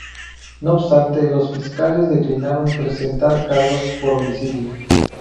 No obstante, los fiscales declinaron presentar cargos por homicidio.